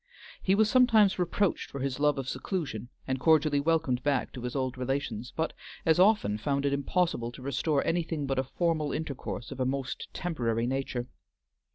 He was sometimes reproached for his love of seclusion and cordially welcomed back to his old relations, but as often found it impossible to restore anything but a formal intercourse of a most temporary nature.